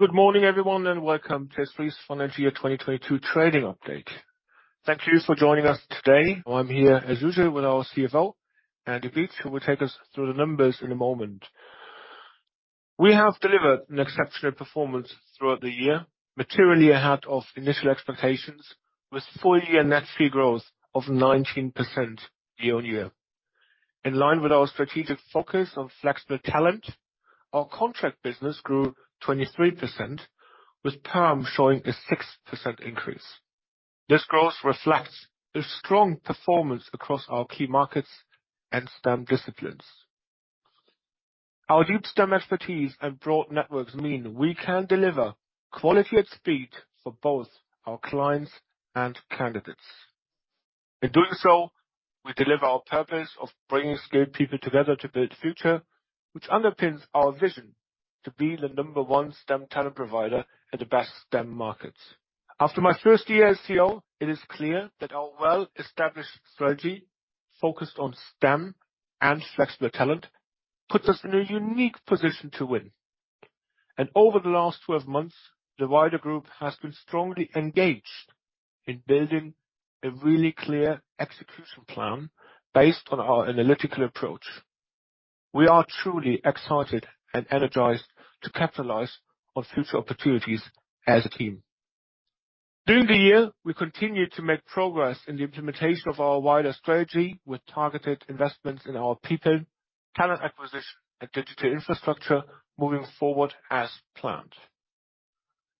Good morning, everyone, welcome to SThree's Financial Year 2022 trading update. Thank you for joining us today. I'm here, as usual, with our CFO, Andrew Beach, who will take us through the numbers in a moment. We have delivered an exceptional performance throughout the year, materially ahead of initial expectations, with full-year net fee growth of 19% year-on-year. In line with our strategic focus on flexible talent, our contract business grew 23%, with perm showing a 6% increase. This growth reflects the strong performance across our key markets and STEM disciplines. Our deep STEM expertise and broad networks mean we can deliver quality at speed for both our clients and candidates. In doing so, we deliver our purpose of bringing skilled people together to build future, which underpins our vision to be the number one STEM talent provider in the best STEM markets. After my first year as CEO, it is clear that our well-established strategy focused on STEM and flexible talent puts us in a unique position to win. Over the last 12 months, the wider group has been strongly engaged in building a really clear execution plan based on our analytical approach. We are truly excited and energized to capitalize on future opportunities as a team. During the year, we continued to make progress in the implementation of our wider strategy with targeted investments in our people, talent acquisition, and digital infrastructure moving forward as planned.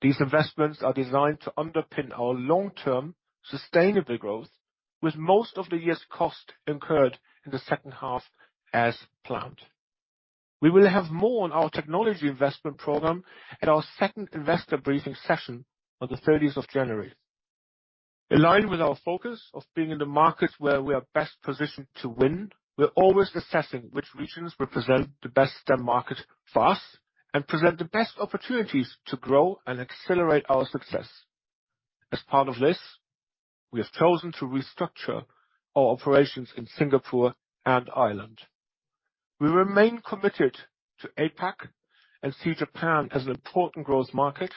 These investments are designed to underpin our long-term sustainable growth, with most of the year's cost incurred in the second half as planned. We will have more on our technology investment program at our second investor briefing session on the 30th of January. Aligned with our focus of being in the markets where we are best positioned to win, we're always assessing which regions represent the best STEM market for us and present the best opportunities to grow and accelerate our success. As part of this, we have chosen to restructure our operations in Singapore and Ireland. We remain committed to APAC and see Japan as an important growth market.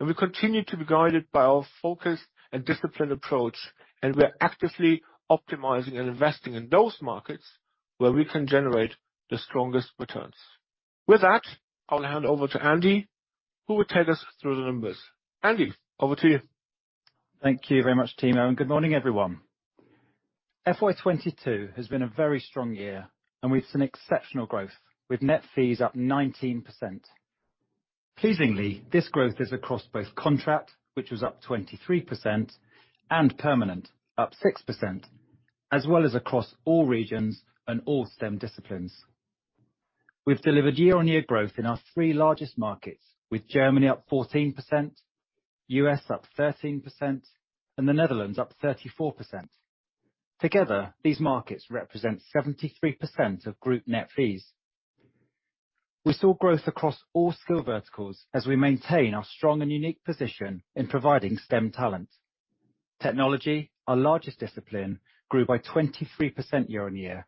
We continue to be guided by our focus and disciplined approach. We are actively optimizing and investing in those markets where we can generate the strongest returns. With that, I'll hand over to Andy, who will take us through the numbers. Andy, over to you. Thank you very much, Timo. Good morning, everyone. FY22 has been a very strong year, we've seen exceptional growth, with net fees up 19%. Pleasingly, this growth is across both contract, which was up 23%, and permanent, up 6%, as well as across all regions and all STEM disciplines. We've delivered year-over-year growth in our three largest markets, with Germany up 14%, U.S. up 13%, and the Netherlands up 34%. Together, these markets represent 73% of group net fees. We saw growth across all skill verticals as we maintain our strong and unique position in providing STEM talent. Technology, our largest discipline, grew by 23% year-over-year.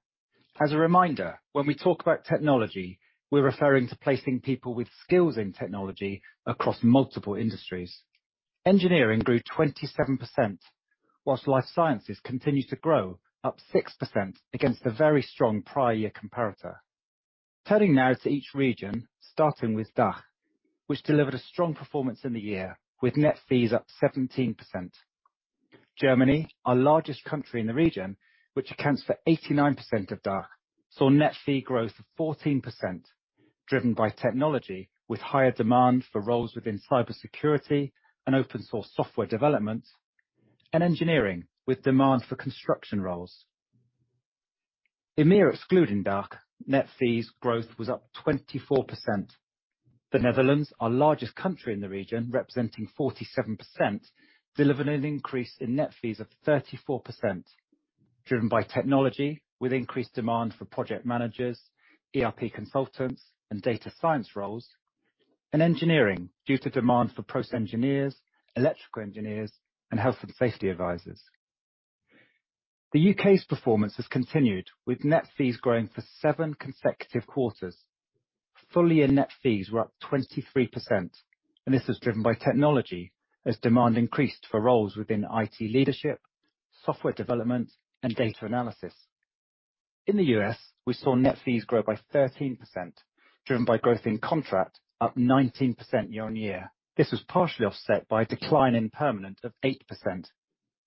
As a reminder, when we talk about technology, we're referring to placing people with skills in technology across multiple industries. Engineering grew 27%, while life sciences continued to grow, up 6% against a very strong prior year comparator. Turning now to each region, starting with DACH, which delivered a strong performance in the year with net fees up 17%. Germany, our largest country in the region, which accounts for 89% of DACH, saw net fee growth of 14%, driven by technology, with higher demand for roles within cybersecurity and open-source software development, and engineering, with demand for construction roles. EMEAR excluding DACH, net fees growth was up 24%. The Netherlands, our largest country in the region representing 47%, delivered an increase in net fees of 34%, driven by technology, with increased demand for project managers, ERP consultants, and data science roles, and engineering due to demand for process engineers, electrical engineers, and health and safety advisors. The U.K.'s performance has continued, with net fees growing for seven consecutive quarters. Full-year net fees were up 23%, this was driven by technology as demand increased for roles within IT leadership, software development, and data analysis. In the U.S., we saw net fees grow by 13%, driven by growth in contract up 19% year-on-year. This was partially offset by a decline in permanent of 8%,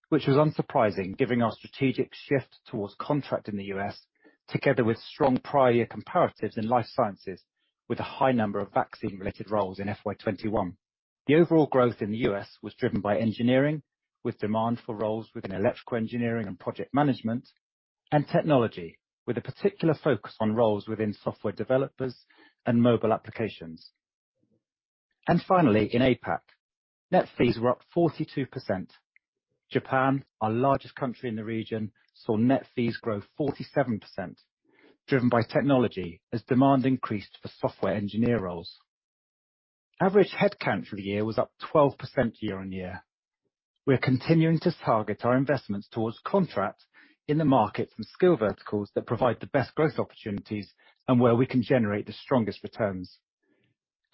which was unsurprising given our strategic shift towards contract in the U.S., together with strong prior year comparatives in life sciences, with a high number of vaccine-related roles in FY21. The overall growth in the U.S. was driven by engineering, with demand for roles within electrical engineering and project management, and technology, with a particular focus on roles within software developers and mobile applications. Finally, in APAC, net fees were up 42%. Japan, our largest country in the region, saw net fees grow 47%, driven by technology as demand increased for software engineer roles. Average headcount for the year was up 12% year-on-year. We are continuing to target our investments towards contracts in the market and skill verticals that provide the best growth opportunities and where we can generate the strongest returns.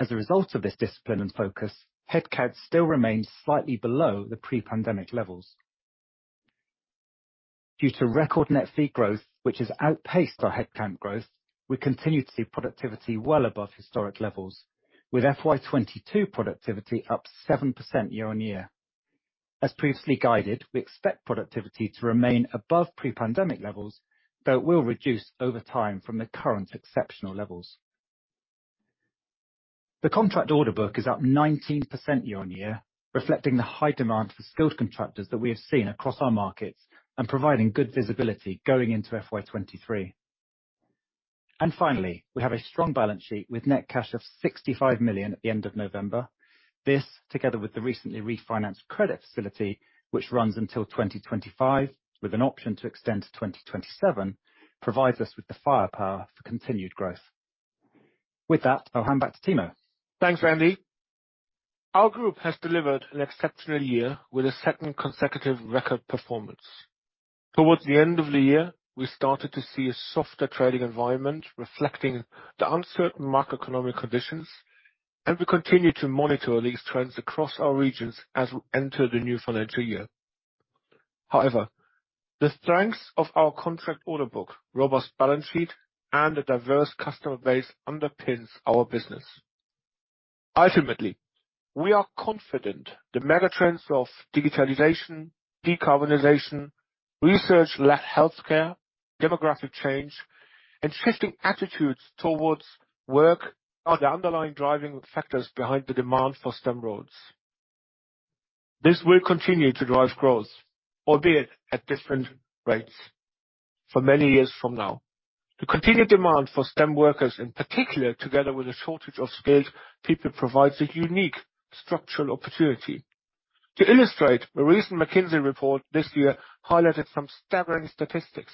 As a result of this discipline and focus, headcount still remains slightly below the pre-pandemic levels. Due to record net fee growth, which has outpaced our headcount growth, we continue to see productivity well above historic levels, with FY22 productivity up 7% year-on-year. As previously guided, we expect productivity to remain above pre-pandemic levels, though it will reduce over time from the current exceptional levels. The contract order book is up 19% year on year, reflecting the high demand for skilled contractors that we have seen across our markets and providing good visibility going into FY23. We have a strong balance sheet with net cash of 65 million at the end of November. This, together with the recently refinanced credit facility, which runs until 2025, with an option to extend to 2027, provides us with the firepower for continued growth. I'll hand back to Timo. Thanks, Andy. Our group has delivered an exceptional year with a second consecutive record performance. Towards the end of the year, we started to see a softer trading environment reflecting the uncertain macroeconomic conditions, and we continue to monitor these trends across our regions as we enter the new financial year. The strengths of our contract order book, robust balance sheet, and a diverse customer base underpins our business. We are confident the mega trends of digitalisation, decarbonisation, research-led healthcare, demographic change, and shifting attitudes towards work are the underlying driving factors behind the demand for STEM roles. This will continue to drive growth, albeit at different rates for many years from now. The continued demand for STEM workers, in particular, together with a shortage of skilled people, provides a unique structural opportunity. To illustrate, a recent McKinsey report this year highlighted some staggering statistics.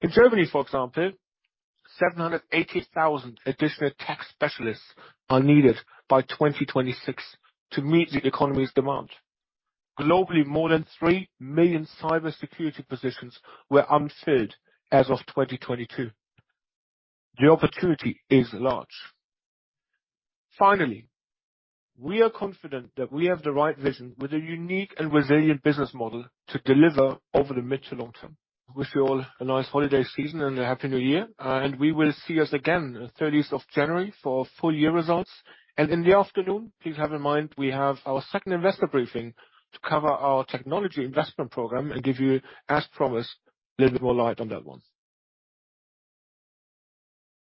In Germany, for example, 780,000 additional tech specialists are needed by 2026 to meet the economy's demand. Globally, more than 3 million cybersecurity positions were unfilled as of 2022. The opportunity is large. We are confident that we have the right vision with a unique and resilient business model to deliver over the mid to long term. Wish you all a nice holiday season and a happy new year, and we will see us again the 30th of January for our full year results. In the afternoon, please have in mind we have our second investor briefing to cover our technology investment program and give you, as promised, a little bit more light on that one.